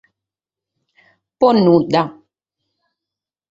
Pro nudda.